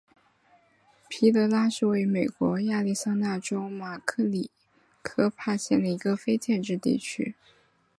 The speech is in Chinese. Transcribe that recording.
皮德拉是位于美国亚利桑那州马里科帕县的一个非建制地区。